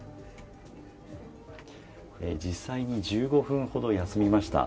実際に１５分ほど休みました。